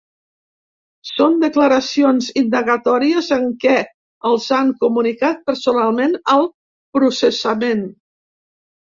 Són declaracions indagatòries en què els han comunicat personalment el processament.